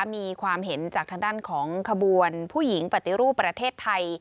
มีความเห็นจากทางด้านของขบวนผู้หญิงปฏิรูปประเทศไทย